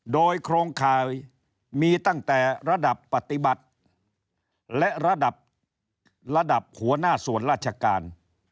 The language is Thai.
โดยโครงข่ายมีตั้งแต่ระดับปฏิบัติและระดับระดับหัวหน้าส่วนราชการ